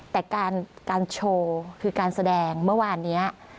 แต่การโชว์คือการแสดงเมื่อวานนี้